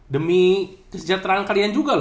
demi kesejahteraan kalian juga loh